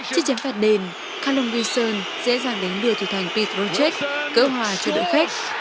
trước chiếm phạt đền callum wilson dễ dàng đánh đưa thủ thành pete rochette cỡ hòa cho đội khách